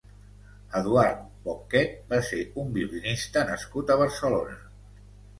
Eduard Bocquet va ser un violinista nascut a Barcelona.